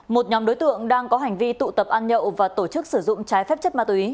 một nhóm đối tượng đang có hành vi tụ tập ăn nhậu và tổ chức sử dụng trái phép chất ma túy